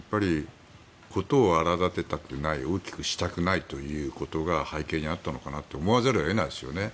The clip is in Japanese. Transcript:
事を荒立てたくない大きくしたくないということが背景にあったのかなと思わざるを得ないですよね。